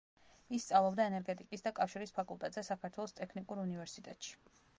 ის სწავლობდა ენერგეტიკის და კავშირის ფაკულტეტზე საქართველოს ტექნიკურ უნივერსიტეტში.